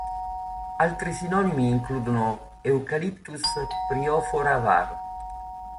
Altri sinonimi includono "Eucalyptus pyrophora" var.